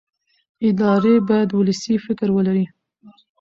ادارې باید ولسي فکر ولري